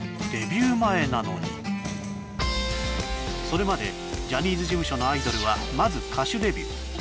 それまでジャニーズ事務所のアイドルはまず歌手デビュー